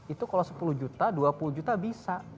itu kalau sepuluh juta dua puluh juta bisa